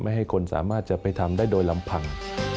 ให้คนสามารถจะไปทำได้โดยลำพัง